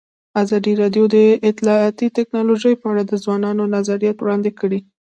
ازادي راډیو د اطلاعاتی تکنالوژي په اړه د ځوانانو نظریات وړاندې کړي.